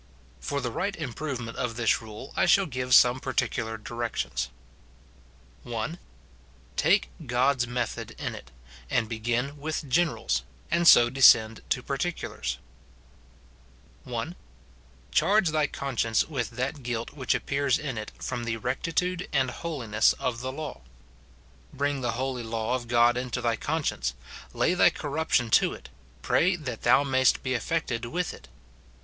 For the right improvement of this rule I shall give some particular directions :— 1. Take Crod's method in it, and begin with generals, and so descend to particulars :— (1.) Charge thy conscience with that guilt which ap pears in it from the rectitude and holiness of the law. Bring the holy law of God into thy conscience, lay thy corruption to it, pray that thou mayst be affected with it.